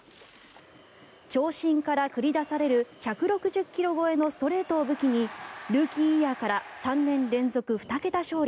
長身から繰り出される１６０ｋｍ超えのストレートを武器にルーキーイヤーから３年連続２桁勝利。